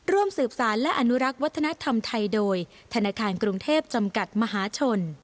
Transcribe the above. ร่วมสืบสารและอนุรักษ์วัฒนธรรมไทยโดยธนาคารกรุงเทพจำกัดมหาชน